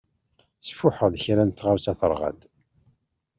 Sfuḥeɣ-d kra n tɣawsa teṛɣa-d.